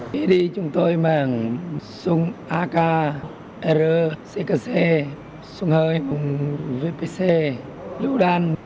khi đi chúng tôi mang súng ak r ckc súng hơi vpc lưu đan